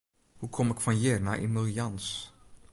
Hoe kom ik fan hjir nei Emiel Jans?